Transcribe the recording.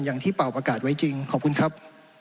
อย่างที่เป่าประกาศไว้จริงขอบคุณครับ